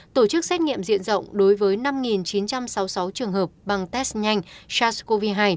tổ chức xét nghiệm diện rộng đối với năm chín trăm sáu mươi sáu trường hợp bằng test nhanh sars cov hai